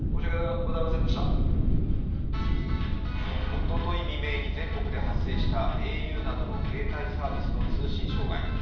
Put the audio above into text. おととい未明に全国で発生したａｕなどの携帯サービスの通信障害。